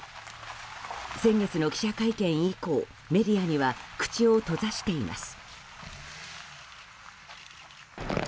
先日の記者会見以降メディアには口を閉ざしています。